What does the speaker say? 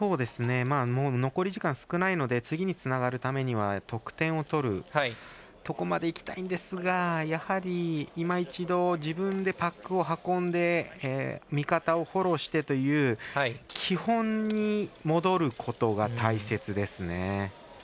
残り時間少ないので次につなげるためには得点を取るところまでいきたいんですがやはり、いま一度自分でパックを運んで味方をフォローしてという基本に戻ることが大切ですね。